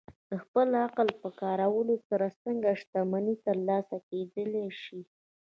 د خپل عقل په کارولو سره څنګه شتمني ترلاسه کېدای شي؟